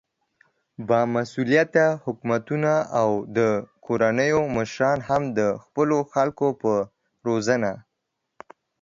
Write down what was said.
با مسؤليته حکومتونه او د کورنيو مشران هم د خپلو خلکو په روزنه